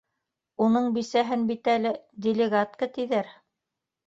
- Уның бисәһен бит әле делегатҡа тиҙәр.